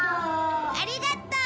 ありがとう！